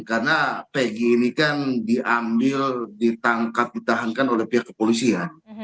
karena peggy ini kan diambil ditangkap ditahankan oleh pihak kepolisian